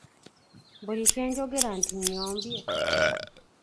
Buli kye njogera nti nnyombye!